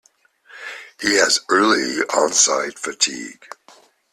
He has early onset fatigue.